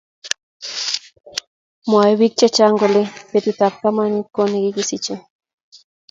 Mwoe bik che chang kole betut ab kamanut ko ne kikisichei